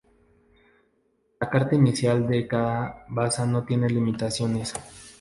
La carta inicial de cada baza no tiene limitaciones.